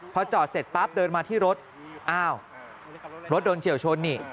พอจอดเสร็จปั๊บเดินมาที่รถอ้าวรถโดนเฉียวชนนี่